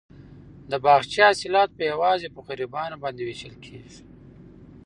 د باغچې حاصلات به یوازې په غریبانو باندې وېشل کیږي.